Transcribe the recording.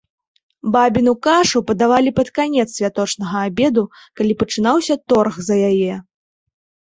Бабіну кашу падавалі пад канец святочнага абеду, калі пачынаўся торг за яе.